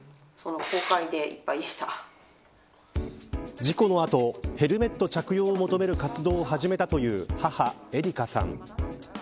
事故の後ヘルメット着用を求める活動を始めたという母、絵里香さん。